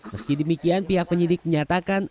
meski demikian pihak penyidik menyatakan